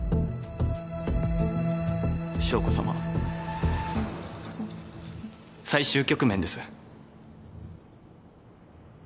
将子さま最終局面です。